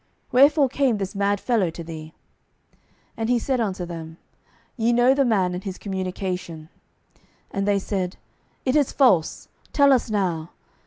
wherefore came this mad fellow to thee? And he said unto them, Ye know the man, and his communication. 12:009:012 And they said, It is false; tell us now.